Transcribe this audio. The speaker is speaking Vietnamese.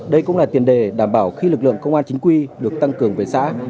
đây cũng là tiền đề đảm bảo khi lực lượng công an chính quy được tăng cường về xã